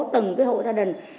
tầng hộ gia đình